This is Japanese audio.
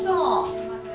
すみません。